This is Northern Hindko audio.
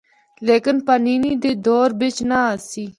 لیکن پانینی دے دور بچ نہ آسی۔